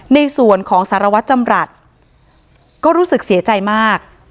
ในส่วนของสารวัตรจำรัฐก็รู้สึกเสียใจมาก